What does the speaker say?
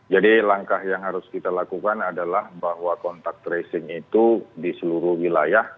jadi langkah yang harus kita lakukan adalah bahwa kontak tracing itu di seluruh wilayah